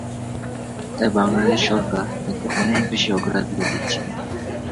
তাই বাংলাদেশ সরকার এতে অনেক বেশি অগ্রাধিকার দিচ্ছে।